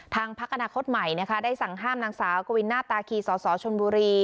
พักอนาคตใหม่นะคะได้สั่งห้ามนางสาวกวินาตาคีสสชนบุรี